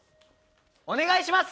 お願いします！